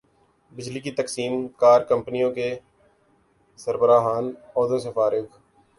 بجلی کی تقسیم کار کمپنیوں کے سربراہان عہدوں سے فارغ